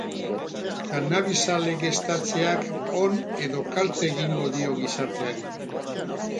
Kannabisa legeztatzeak on edo kalte egingo dio gizarteari?